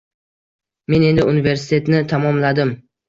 Men endi universitetni tamomladim.